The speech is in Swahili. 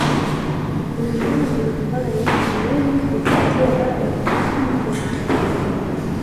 Kuna ndama ambaye mwanaume humpatia baba mkwe mtarajiwa